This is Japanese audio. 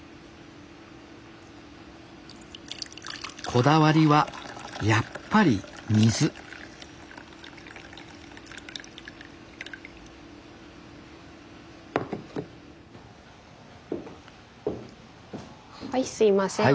こだわりはやっぱり水はいすいません